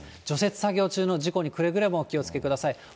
除雪作業中の事故にくれぐれもお気をつけください。